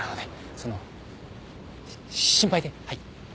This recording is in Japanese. その心配ではい。